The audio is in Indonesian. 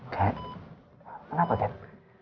kat kenapa kat